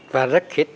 và rất khít